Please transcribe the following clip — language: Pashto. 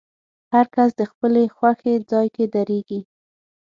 هر کس د خپلې خوښې ځای کې درېږي.